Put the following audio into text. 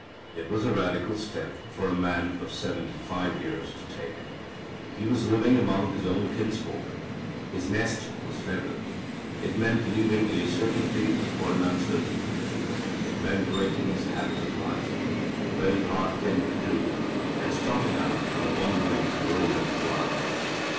It was a radical step for a man of seventy five years to take. He was living among his own kinsfolk. His nest was feathered. It meant leaving a certainty for an uncertainty. It meant breaking his habit of life, a very hard thing to do, and starting out on a wandering roaming life.